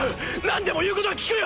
何でも言うことは聞くよ！